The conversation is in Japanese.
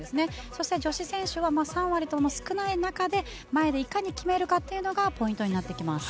そして女子選手は３割と少ない中で前でいかに決めるかがポイントになっていきます。